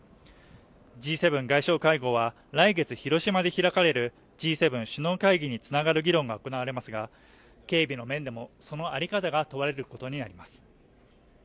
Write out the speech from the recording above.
Ｇ７外相会合は来月広島で開かれるＧ７首脳会議に繋がる議論が行われますが、警備の面でも、そのあり方が問われることになります。